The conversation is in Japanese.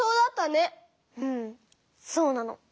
うんそうなの。